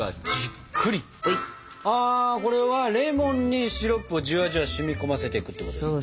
あこれはレモンにシロップをじわじわ染み込ませていくってことですか？